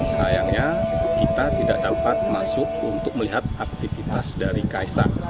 sayangnya kita tidak dapat masuk untuk melihat aktivitas dari kaisang